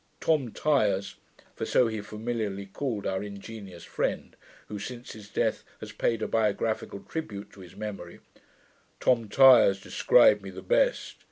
Tom Tyers' (for so he familiarly called our ingenious friend, who, since his death, has paid a biographical tribute to his memory) 'Tom Tyers described me the best.